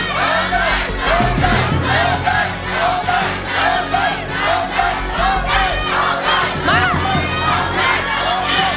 โหเด้ยโหเด้ย